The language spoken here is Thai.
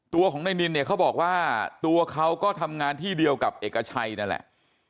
ตัวของนายนินเนี่ยเขาบอกว่าตัวเขาก็ทำงานที่เดียวกับเอกชัยนั่นแหละ